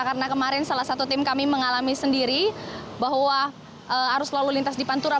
karena kemarin salah satu tim kami mengalami sendiri bahwa arus lalu lintas di pantura